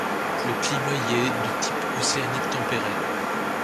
Le climat y est de type océanique tempéré.